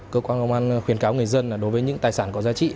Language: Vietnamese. cơ quan công an khuyến cáo người dân đối với những tài sản có giá trị